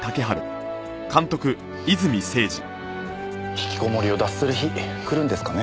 引きこもりを脱する日くるんですかね？